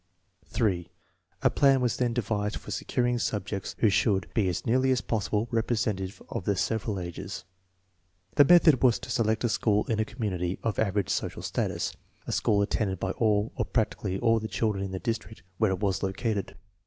3. A plan was then devised for securing subjects who should be as nearly as possible representative of the several ages. The method was to select a school in a community of average social status, a school attended by all or prac tically all the children in the district where it was located.